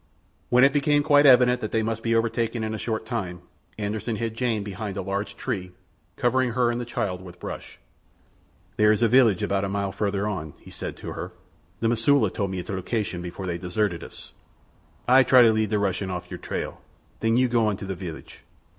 When it became quite evident that they must be overtaken in a short time Anderssen hid Jane behind a large tree, covering her and the child with brush. "There is a village about a mile farther on," he said to her. "The Mosula told me its location before they deserted us. Ay try to lead the Russian off your trail, then you go on to the village.